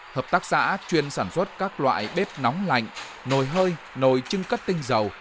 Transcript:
hợp tác xã chuyên sản xuất các loại bếp nóng lạnh nồi hơi nồi chưng cất tinh dầu